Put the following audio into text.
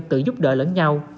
tự giúp đỡ lẫn nhau